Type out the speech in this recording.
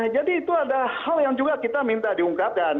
jadi itu ada hal yang juga kita minta diungkatkan